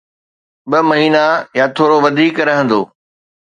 ٻه مهينا يا ٿورو وڌيڪ رهندو.